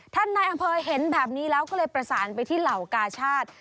นายอำเภอเห็นแบบนี้แล้วก็เลยประสานไปที่เหล่ากาชาติ